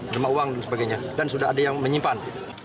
dan sudah ada yang menyimpan